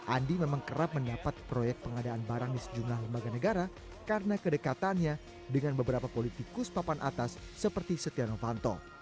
andi memang kerap mendapat proyek pengadaan barang di sejumlah lembaga negara karena kedekatannya dengan beberapa politikus papan atas seperti setia novanto